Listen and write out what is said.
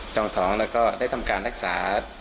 ช่องท้องแล้วก็ได้ทำการรักษา